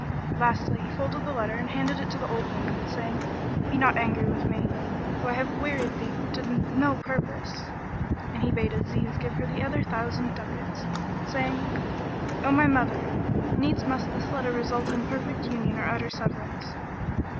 Lastly he folded the letter and handed it to the old woman, saying, "Be not angry with me, though I have wearied thee to no purpose." And he bade Aziz give her other thousand ducats, saying, "O my mother, needs must this letter result in perfect union or utter severance."